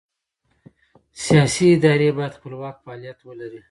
سیاسي ادارې باید خپلواک فعالیت ولري